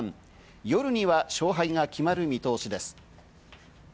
夜には勝敗が決まる見通しです。